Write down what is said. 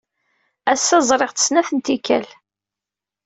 Ass-a, ẓriɣ-tt snat n tikkal.